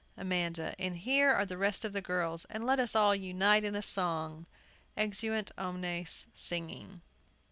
AMANDA. And here are the rest of the girls; and let us all unite in a song! [Exeunt omnes, singing.